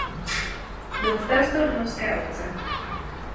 Byl starostou domovské obce.